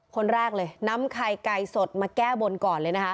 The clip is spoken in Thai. คนแรกน้ำไข่ไก่สดมาแก้บนก่อน